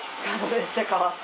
めっちゃ変わった。